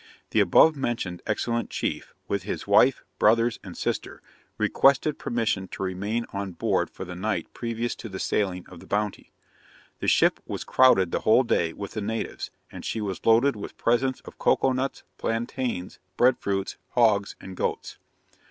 The above mentioned excellent chief, with his wife, brothers, and sister, requested permission to remain on board for the night previous to the sailing of the Bounty. The ship was crowded the whole day with the natives, and she was loaded with presents of cocoa nuts, plantains, bread fruits, hogs, and goats.